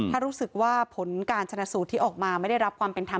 ถ้ารู้สึกว่าผลการชนะสูตรที่ออกมาไม่ได้รับความเป็นธรรม